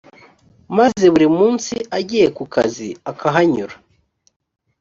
maze buri munsi agiye ku kazi akahanyura